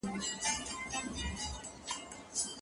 د زوجينو څخه کوم يو ځانګړی دی؟